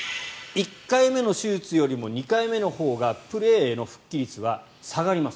１回目の手術よりも２回目のほうがプレーの復帰率が下がります。